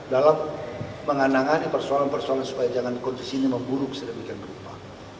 dalam menangani persoalan persoalan supaya jangan kondisi ini memburuk sedemikian rupa